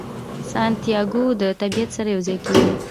سانتیاګو د طبیعت سره یو ځای کیږي.